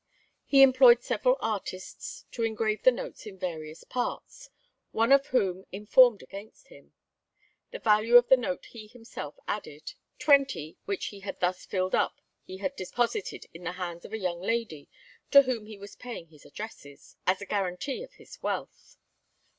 He employed several artists to engrave the notes in various parts, one of whom informed against him. The value of the note he himself added. Twenty which he had thus filled up he had deposited in the hands of a young lady to whom he was paying his addresses, as a guarantee of his wealth.